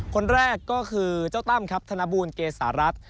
คนแรกก็คือเจ้าตั้มครับธนบูลเกษารัฐ